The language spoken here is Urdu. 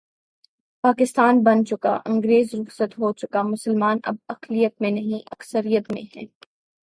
پاکستان بن چکا انگریز رخصت ہو چکا مسلمان اب اقلیت میں نہیں، اکثریت میں ہیں۔